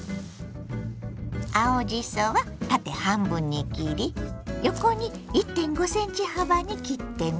青じそは縦半分に切り横に１．５ｃｍ幅に切ってね。